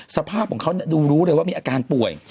สภาพของเขาดูรู้เลยว่ามีอาการป่วย